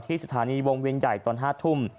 สถานีวงเวียนใหญ่ตอน๕ทุ่ม